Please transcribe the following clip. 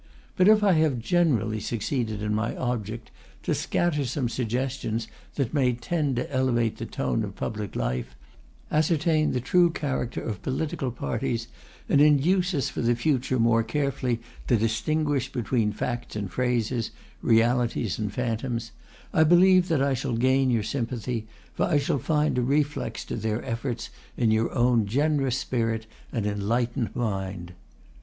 But if I have generally succeeded in my object, to scatter some suggestions that may tend to elevate the tone of public life, ascertain the true character of political parties, and induce us for the future more carefully to distinguish between facts and phrases, realities and phantoms, I believe that I shall gain your sympathy, for I shall find a reflex to their efforts in your own generous spirit and enlightened mind.